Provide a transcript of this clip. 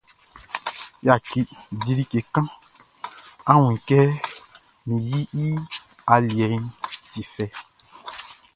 Yaki, di like kan; á wún kɛ min yiʼn i aliɛʼn ti fɛ.